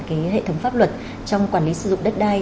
cái hệ thống pháp luật trong quản lý sử dụng đất đai